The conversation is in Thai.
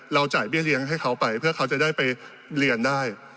จ่ายเบี้ยเลี้ยงให้เขาไปเพื่อเขาจะได้ไปเรียนได้